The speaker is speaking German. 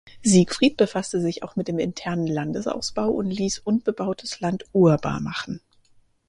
Siegfried befasste sich auch mit dem internen Landesausbau und ließ unbebautes Land urbar machen.